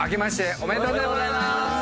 おめでとうございます！